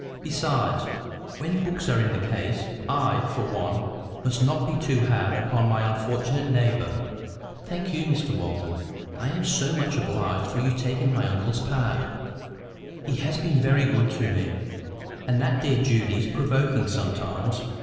Besides, when books are in the case, I, for one, must not be too hard upon my unfortunate neighbour." "Thank you, Mr Walton. I am so much obliged to you for taking my uncle's part. He has been very good to me; and that dear Judy is provoking sometimes.